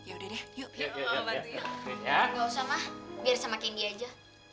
oh baik baik aja